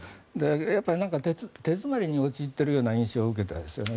やっぱり手詰まりに陥っているような印象を受けましたよね。